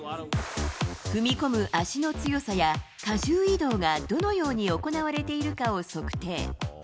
踏み込む足の強さや加重移動がどのように行われているかを測定。